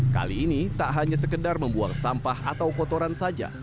kali ini tak hanya sekedar membuang sampah atau kotoran saja